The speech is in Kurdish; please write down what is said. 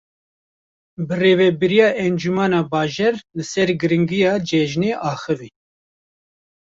Birêveberiya Encumena Bajêr li ser girîngiya cejinê axivî.